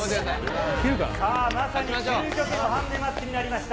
さあ、まさに究極のハンディマッチになりました。